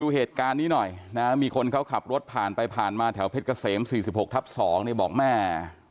เหตุการณ์นี้หน่อยนะมีคนเขาขับรถผ่านไปผ่านมาแถวเพชรเกษม๔๖ทับ๒เนี่ยบอกแม่